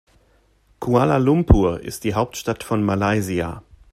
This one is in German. Kuala Lumpur ist die Hauptstadt von Malaysia.